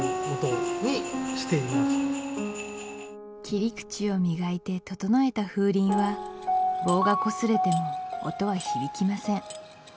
切り口を磨いて整えた風鈴は棒がこすれても音は響きません